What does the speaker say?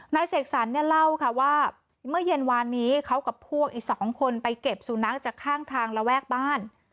เสกสรรเนี่ยเล่าค่ะว่าเมื่อเย็นวานนี้เขากับพวกอีก๒คนไปเก็บสุนัขจากข้างทางระแวกบ้าน